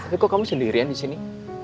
tapi kok kamu sendirian di sini